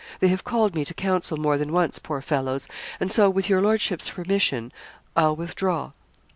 They have called me to counsel more than once, poor fellows; and so, with your lordship's permission, I'll withdraw.'